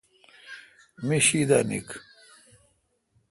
می شی دا نیکھ،